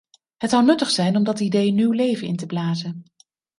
Het zou nuttig zijn om dat idee nieuw leven in te blazen.